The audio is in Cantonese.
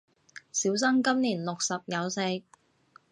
小生今年六十有四